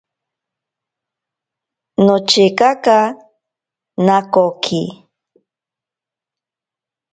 Nochekaka nakoki.